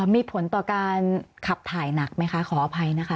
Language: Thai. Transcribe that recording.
มีผลต่อการขับถ่ายหนักไหมคะขออภัยนะคะ